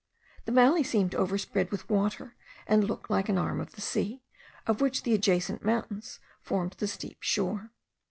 The valley seemed overspread with water, and looked like an arm of the sea, of which the adjacent mountains formed the steep shore.